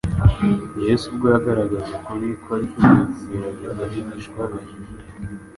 Yesu ubwo yagaragazaga ukuri kwari kugiye kugerageza abigishwa be,